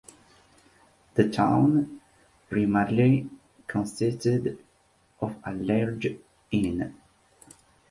The town primarily consisted of a large Inn.